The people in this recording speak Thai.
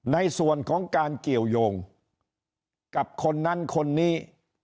ในส่วนของการเกี่ยวยงกับคนนั้นคนนี้